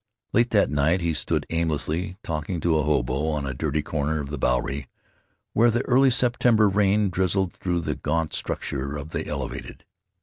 Late that night he stood aimlessly talking to a hobo on a dirty corner of the Bowery, where the early September rain drizzled through the gaunt structure of the Elevated.